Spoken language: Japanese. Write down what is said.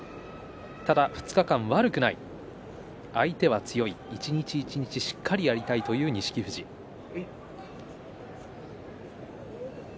２日間、悪くない相手は強い一日一日しっかりとやりたいという錦富士です。